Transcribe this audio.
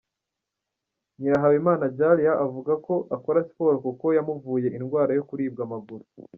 Nyirahabimana Djalia avuga ko akora siporo kuko yamuvuye indwara yo kuribwa amaguru.